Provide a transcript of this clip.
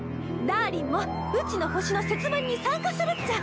ダーリンもうちの星の節分に参加するっちゃ。